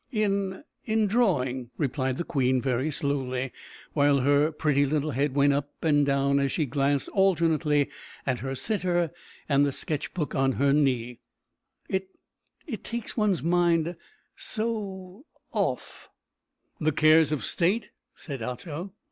"In in drawing," replied the queen very slowly, while her pretty little head went up and down as she glanced alternately at her sitter and the sketch book on her knee; "it it takes one's mind so off " "The cares of state?" said Otto.